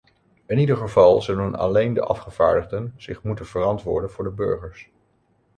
In ieder geval zullen alleen de afgevaardigden zich moeten verantwoorden voor de burgers!